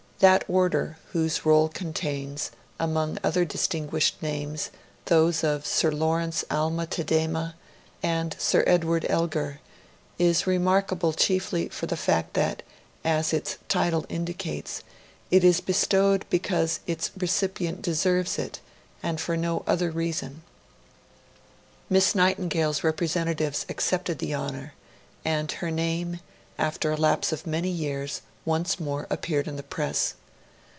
That Order, whose roll contains, among other distinguished names, those of Sir Lawrence Alma Tadema and Sir Edward Elgar, is remarkable chiefly for the fact that, as its title indicates, it is bestowed because its recipient deserves it, and for no other reason. Miss Nightingale's representatives accepted the honour, and her name, after a lapse of many years, once more appeared in the Press.